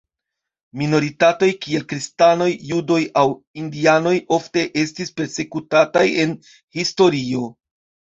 Minoritatoj, kiel kristanoj, judoj aŭ indianoj ofte estis persekutataj en historio.